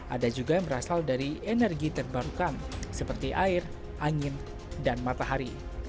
ada juga yang berasal dari energi terbarukan seperti air angin dan matahari